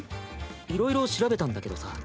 いろいろ調べたんだけどさ